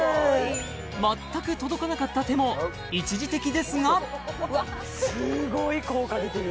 全く届かなかった手も一時的ですがうわっすごい効果出てる！